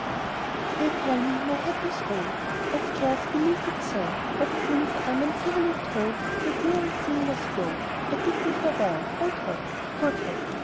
They tell me my hat is old! I scarce believe it so; But since I'm uncivilly told The dear old thing must go, I bid thee farewell, old hat, Good hat!